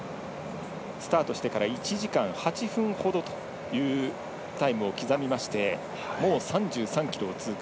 スタートしてから１時間８分ほどというタイムを刻みましてもう３３ｋｍを通過。